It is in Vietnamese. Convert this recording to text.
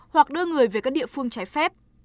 hoặc đưa người về các địa phương trái phép